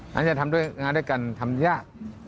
ฉะนั้นจะทำงานด้วยกันทำยาก